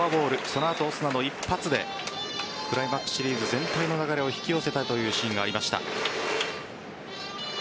その後、オスナの一発でクライマックスシリーズ全体の流れを引き寄せたというシーンがありました。